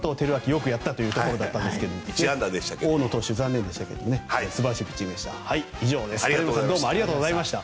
よくやったという感じでしたが大野投手、残念でしたが素晴らしいピッチングでした。